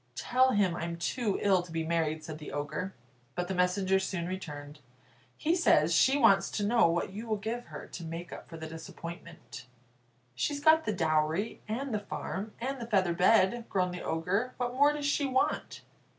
"Tell him I'm too ill to be married," said the Ogre. But the messenger soon returned: "He says she wants to know what you will give her to make up for the disappointment." "She's got the dowry, and the farm, and the feather bed," groaned the Ogre; "what more does she want?"